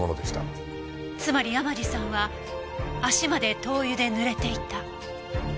つまり山路さんは足まで灯油で濡れていた。